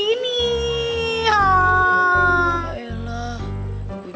ya nggak mau pindah ke sekolah sini